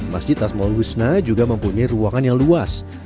masjid asma ul husna juga mempunyai ruangan yang luas